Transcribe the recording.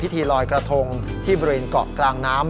ลอยกระทงที่บริเวณเกาะกลางน้ำ